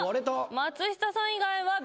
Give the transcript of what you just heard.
松下さん以外はＢ。